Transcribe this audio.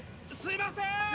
すいません。